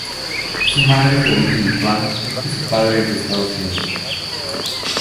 Su madre es de origen lituano y su padre es de Estados Unidos.